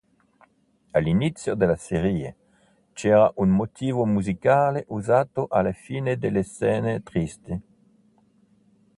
All'inizio della serie c'era un motivo musicale usato alla fine delle scene tristi.